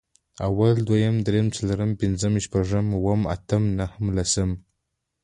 اول، دويم، درېيم، څلورم، پنځم، شپږم، اووم، اتم، نهم، لسم